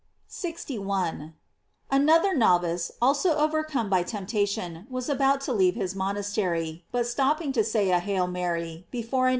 f 61. — Another novice, also overcome by temp tation, was about to leave his monastery, but stopping to say a "Hail Mary" before an imagt * P.